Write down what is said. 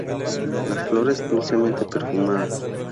Las flores dulcemente perfumadas.